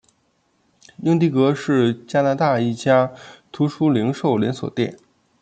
英迪戈是加拿大一家图书零售连锁店。